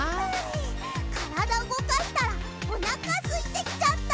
からだうごかしたらおなかすいてきちゃった！